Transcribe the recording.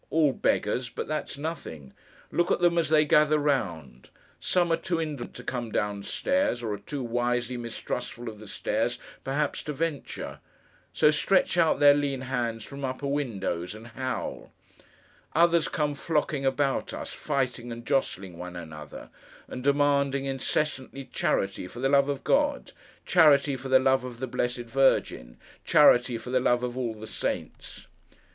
All beggars; but that's nothing. Look at them as they gather round. Some, are too indolent to come down stairs, or are too wisely mistrustful of the stairs, perhaps, to venture: so stretch out their lean hands from upper windows, and howl; others, come flocking about us, fighting and jostling one another, and demanding, incessantly, charity for the love of God, charity for the love of the Blessed Virgin, charity for the love of all the Saints.